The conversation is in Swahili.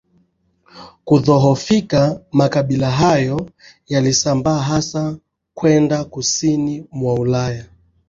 Kudhoofika makabila hayo yalisambaa hasa kwenda kusini mwa Ulaya